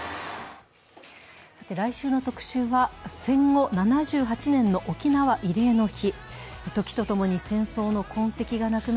来週の特集は、戦後７８年の沖縄慰霊の日。